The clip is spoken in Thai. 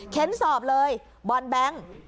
เข็นสอบเลยบอลแบงค์